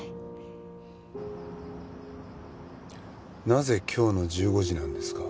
なぜ今日の１５時なんですか？